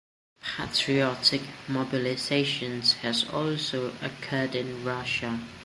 Patriotic "mobilisation" has also occurred in Russia.